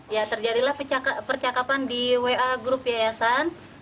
ya terjadilah percakapan di wa grup yayasan